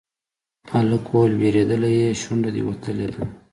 هلک وويل: وېرېدلی يې، شونډه دې وتلې ده.